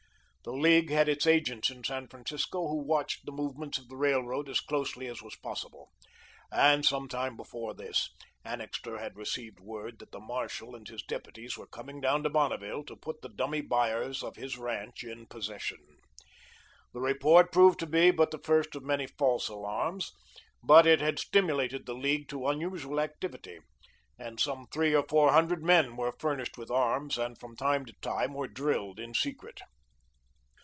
The League had its agents in San Francisco, who watched the movements of the Railroad as closely as was possible, and some time before this, Annixter had received word that the Marshal and his deputies were coming down to Bonneville to put the dummy buyers of his ranch in possession. The report proved to be but the first of many false alarms, but it had stimulated the League to unusual activity, and some three or four hundred men were furnished with arms and from time to time were drilled in secret.